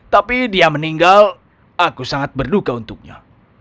tapi dia meninggal aku sangat berduka untuknya